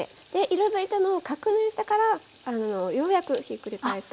色づいたのを確認してからようやくひっくり返す。